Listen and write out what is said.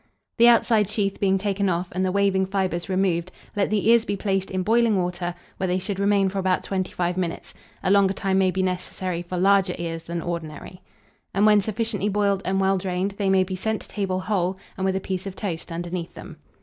The outside sheath being taken off and the waving fibres removed, let the ears be placed in boiling water, where they should remain for about 25 minutes (a longer time may be necessary for larger ears than ordinary); and, when sufficiently boiled and well drained, they may be sent to table whole, and with a piece of toast underneath them.